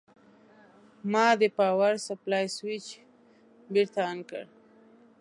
ما د پاور سپلای سویچ بېرته آن کړ.